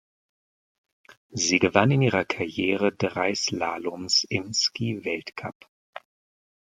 Sie gewann in ihrer Karriere drei Slaloms im Skiweltcup.